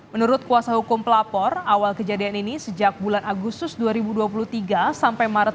menurut kuasa hukum pelapor awal kejadian ini sejak bulan agustus dua ribu dua puluh tiga sampai maret